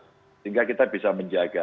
sehingga kita bisa menjaga